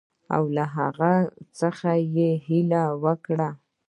او له هغه څخه یې هیله وکړه.